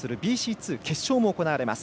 ２決勝も行われます。